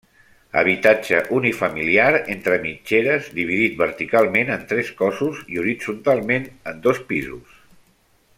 Habitatge unifamiliar entre mitgeres, dividit verticalment en tres cossos i horitzontalment en dos pisos.